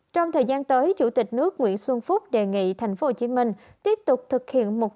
trong thời gian tới chủ tịch nước nguyễn xuân phúc đề nghị tp hcm tiếp tục thực hiện mục